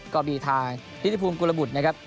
ก็มีทางนิติภูมิกุลบุตรนะครับ